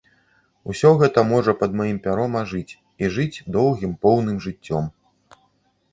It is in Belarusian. Усё гэта можа пад маім пяром ажыць і жыць доўгім поўным жыццём.